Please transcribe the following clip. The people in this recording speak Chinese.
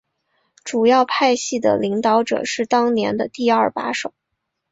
主要派系的领导者是当年的第二把手。